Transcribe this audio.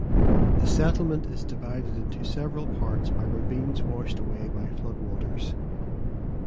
The settlement is divided into several parts by ravines washed away by flood waters.